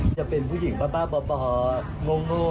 จะเป็นผู้หญิงบ้าบ่อโง่